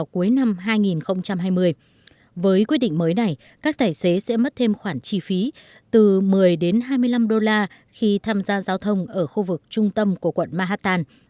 cuối năm hai nghìn hai mươi với quyết định mới này các tài xế sẽ mất thêm khoản chi phí từ một mươi đến hai mươi năm đô la khi tham gia giao thông ở khu vực trung tâm của quận mahatan